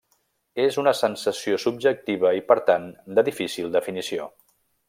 És una sensació subjectiva i per tant de difícil definició.